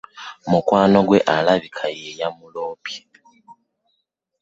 Mukwano gwe alabika ye yamuloopa.